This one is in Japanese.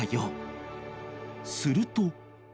［すると］